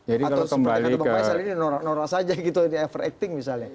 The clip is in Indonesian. atau seperti yang pak faisal ini norak norak saja gitu effort acting misalnya